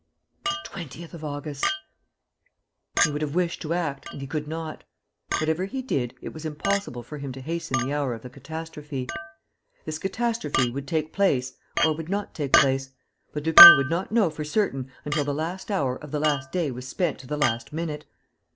The 20th of August! ....He would have wished to act and he could not. Whatever he did, it was impossible for him to hasten the hour of the catastrophe. This catastrophe would take place or would not take place; but Lupin would not know for certain until the last hour of the last day was spent to the last minute.